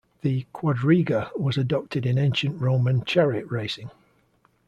The quadriga was adopted in ancient Roman chariot racing.